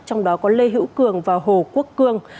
trong đó có lê hữu cường và hồ quốc cương